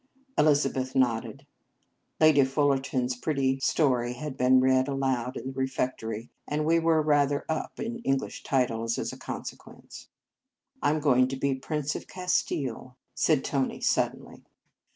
Elizabeth nodded. Lady Fuller ton s pretty story had been read aloud in the refectory, and we were rather " up " in English titles as a conse quence. " I m going to be Prince of Castile," said Tony suddenly.